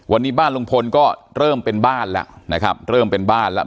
วันนี้บ้านลุงพลก็เริ่มเป็นบ้านแล้วนะครับเริ่มเป็นบ้านแล้ว